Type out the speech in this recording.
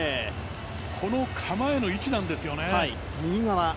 この構えの位置なんですよね。